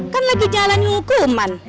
kan lagi jalani hukuman